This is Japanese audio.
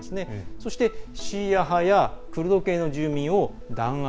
そして、シーア派やクルド系の住民を弾圧。